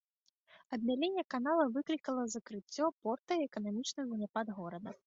Абмяленне канала выклікала закрыццё порта і эканамічны заняпад горада.